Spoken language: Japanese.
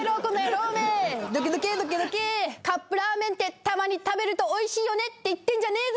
カップラーメンってたまに食べると美味しいよねって言ってんじゃねぇぞ！